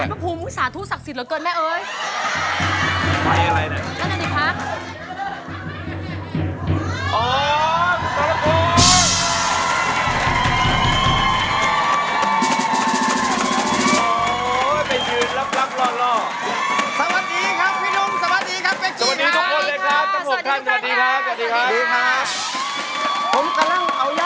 ร้องได้ให้ร้าน